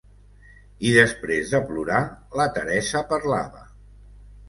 I després de plorar, la Teresa parlava.